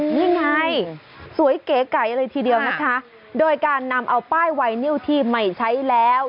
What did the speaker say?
นี่ไงสวยเก๋ไก่เลยทีเดียวนะคะโดยการนำเอาป้ายไวนิวที่ไม่ใช้แล้ว